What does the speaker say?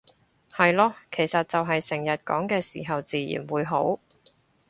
係囉，其實就係成日講嘅時候自然會好